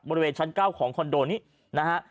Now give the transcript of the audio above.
บริเวณชั้น๙ของคอนโดนี้นะฮะ